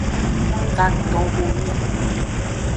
Katonhowi.